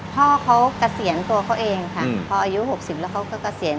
พ่อเขากระเสียงตัวเขาเองค่ะอืมพ่ออายุหกสิบแล้วเขาก็กระเสียง